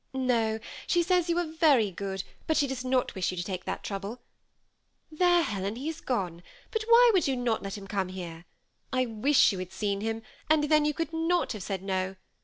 " No ; she says you are very good, but she does not wish you to take that trouble. There, Helen, he is gone ; but why would not you let him come here ? I wish you had seen him, and then you could not have said No.